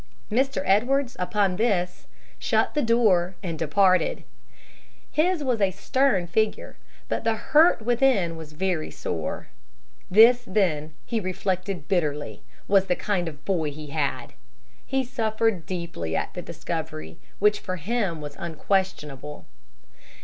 Mr. Edwards, upon this, shut the door and departed. His was a stern figure, but the hurt within was very sore. This, then, he reflected bitterly, was the kind of boy he had. He suffered deeply at the discovery, which for him was unquestionable.